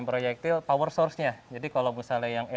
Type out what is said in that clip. ini harus dibuang di pop animation nih flags